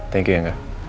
thank you ya nggak